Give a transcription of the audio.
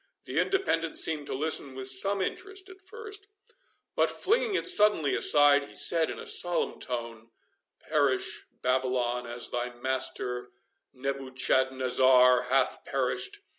The Independent seemed to listen with some interest at first, but, flinging it suddenly aside, he said in a solemn tone, "Perish, Babylon, as thy master Nebuchadnezzar hath perished!